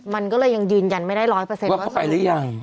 มันก็เลยยังยืนยันไม่ได้๑๐๐ว่าเข้าไปหรือยัง